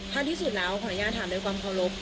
ถ้าที่สุดแล้วขออนุญาตถามด้วยความเคารพ